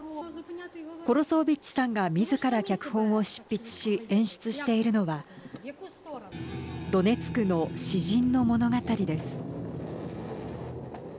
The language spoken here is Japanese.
コロソービッチさんがみずから脚本を執筆し演出しているのはドネツクの詩人の物語です。